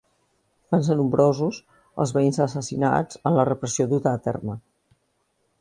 Van ser nombrosos els veïns assassinats en la repressió duta a terme.